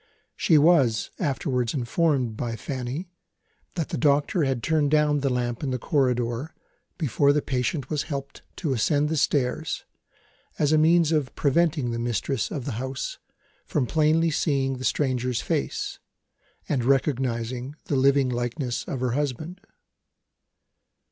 She was, afterwards informed by Fanny that the doctor turned down the lamp in the corridor, before the patient was helped to ascend the stairs, as a means of preventing the mistress of the house from plainly seeing the stranger's face, and recognising the living likeness of her husband.